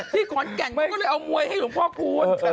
ที่กรแก่งก็เลยเอามวยให้หลวงพ่อภูนย์